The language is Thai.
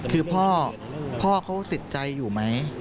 คือพ่อเขาติดใจอยู่ไหม